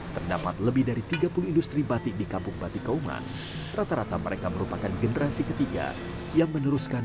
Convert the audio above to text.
terdapat lebih dari tiga puluh industri batik di kampung batik kauma rata rata mereka merupakan generasi ketiga yang meneruskan